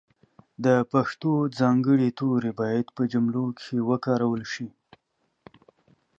د پښتو ځانګړي توري باید په جملو کښې وکارول سي.